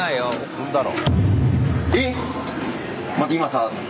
踏んだろ。